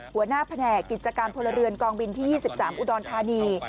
หัวหน้าแผนกกิจการพลเรือนกองบินที่๒๓อุดรธานี